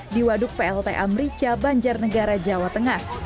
di waduk plt amrica banjar negara jawa tengah